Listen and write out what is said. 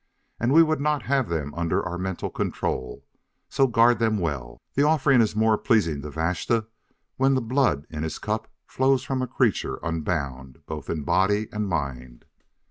And we would not have them under our mental control, so guard them well; the offering is more pleasing to Vashta when the blood in his cup flows from a creature unbound both in body and mind."